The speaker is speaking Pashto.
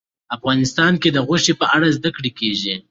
افغانستان کې د غوښې په اړه زده کړه کېږي.